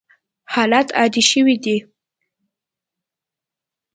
حالات عادي شوي دي.